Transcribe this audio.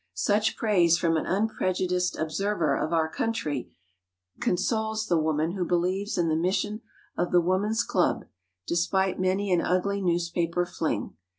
Such praise from an unprejudiced observer of our country consoles the woman who believes in the mission of the woman's club despite many an ugly newspaper fling.